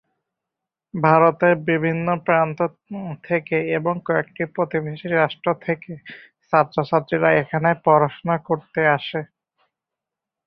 ভারতের বিভিন্ন প্রান্ত থেকে এবং কয়েকটি প্রতিবেশী রাষ্ট্র থেকে ছাত্রছাত্রীরা এখানে পড়াশোনা করতে আসে।